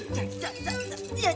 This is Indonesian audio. jangan diketekin miranda